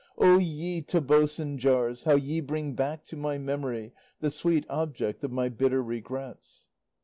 "O ye Tobosan jars, how ye bring back to my memory the sweet object of my bitter regrets!"